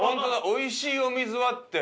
「おいしいお水は」って。